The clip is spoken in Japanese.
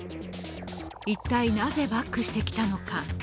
一体、なぜバックしてきたのか。